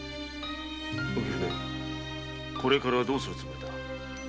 これからどうするつもりだ？